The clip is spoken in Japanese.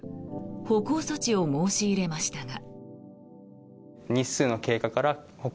補講措置を申し入れましたが。